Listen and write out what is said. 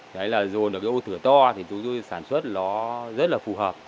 đấy là dồn được cái ô thửa to thì chúng tôi sản xuất nó rất là phù hợp